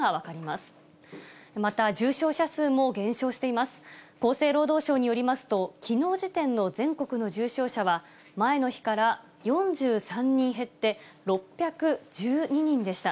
厚生労働省によりますと、きのう時点の全国の重症者は、前の日から４３人減って、６１２人でした。